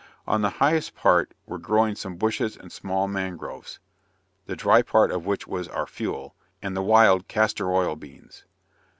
On the highest part were growing some bushes and small mangroves, (the dry part of which was our fuel) and the wild castor oil beans.